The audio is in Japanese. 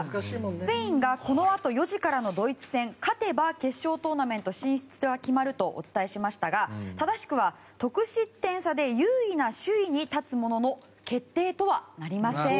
スペインがこのあと４時からのドイツ戦で勝てば決勝トーナメント進出が決まるとお伝えしましたが正しくは、得失点差で優位な首位に立つものの決定とはなりません。